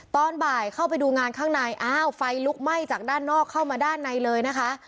ตอนบ่ายเข้าไปดูงานข้างในอ้าวไฟลุกไหม้จากด้านนอกเข้ามาด้านในเลยนะคะ